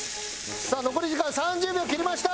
さあ残り時間３０秒を切りました！